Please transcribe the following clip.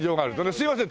すいません